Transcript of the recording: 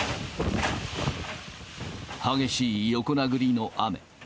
激しい横殴りの雨。